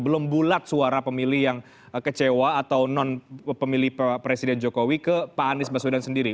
belum bulat suara pemilih yang kecewa atau non pemilih presiden jokowi ke pak anies baswedan sendiri